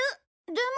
でも。